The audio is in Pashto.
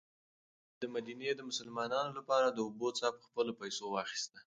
عثمان غني د مدینې د مسلمانانو لپاره د اوبو څاه په خپلو پیسو واخیسته.